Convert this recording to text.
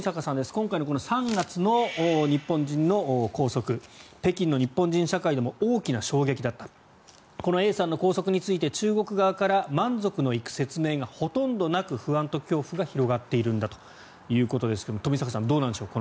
今回の３月の日本人の拘束北京の日本人社会でも大きな衝撃だったこのＡさんの拘束について中国側から満足のいく説明がほとんどなく不安と恐怖が広がっているんだということですけれども冨坂さん、どうなんでしょう。